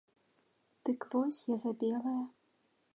Дык вось, я за белае!